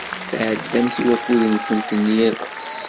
Tɛeddamt i wakud-nwent n yiḍes.